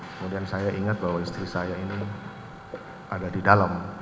kemudian saya ingat bahwa istri saya ini ada di dalam